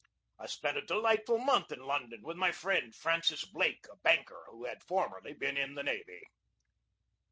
I spent a delightful month in London with my friend Francis Blake, a banker, who had formerly been in the navy.